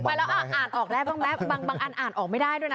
ไปแล้วอ่านออกแล้วบางอันอ่านออกไม่ได้ด้วยนะ